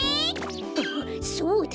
あっそうだ！